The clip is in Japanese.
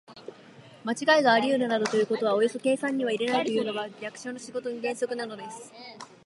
まちがいがありうるなどということはおよそ計算には入れないというのが、役所の仕事の原則なのです。